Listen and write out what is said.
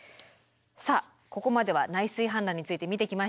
さあここまでは内水氾濫について見てきました。